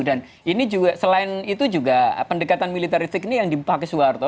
dan ini juga selain itu juga pendekatan militeristik ini yang dipakai soeharto